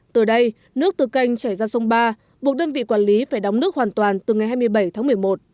từ đây nước từ kênh chảy ra sông ba buộc đơn vị quản lý phải đóng nước hoàn toàn từ ngày hai mươi bảy tháng một mươi một